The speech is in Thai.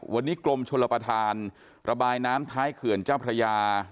วันนี้กรมชลประธานระบายน้ำท้ายเขื่อนเจ้าพระยา